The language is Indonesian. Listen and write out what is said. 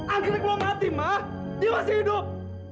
anggrek belum mati ma dia masih hidup